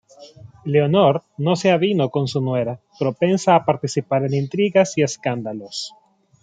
Leonor no se avino con su nuera, propensa a participar en intrigas y escándalos.